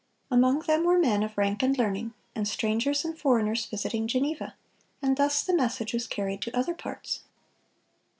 Among them were men of rank and learning, and strangers and foreigners visiting Geneva; and thus the message was carried to other parts.